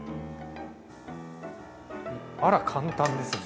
あら簡単ですね！